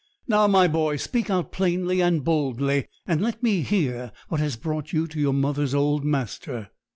Now, my boy, speak out plainly and boldly, and let me hear what has brought you to your mother's old master.'